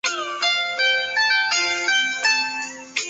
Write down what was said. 季裂裂痕的特征是黄铜受氨影响的部件会出现较深的脆性裂痕。